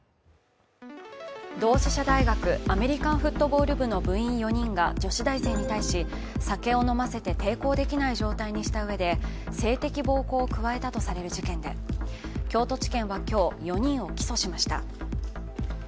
同志社大学アメリカンフットボール部の部員４人が女子大生に対し、酒を飲ませて抵抗できない状態にしたうえで性的暴行を加えたとされる事件で京都地検は今日、４人を起訴しました。